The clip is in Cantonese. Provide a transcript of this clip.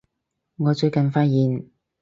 我最近發現